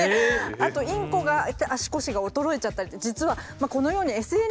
あとインコが足腰が衰えちゃったり実はこのようにＳＮＳ上でですね